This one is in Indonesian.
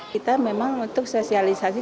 kita memang untuk sosialisasi